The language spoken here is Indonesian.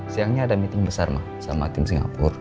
sayangnya ada meeting besar ma sama tim singapur